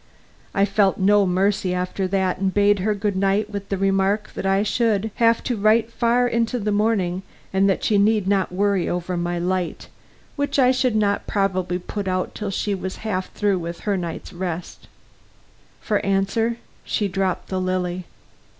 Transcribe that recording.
I felt no mercy after that, and bade her good night with the remark that I should have to write far into the morning, and that she need not worry over my light, which I should not probably put out till she was half through with her night's rest. For answer, she dropped the lily.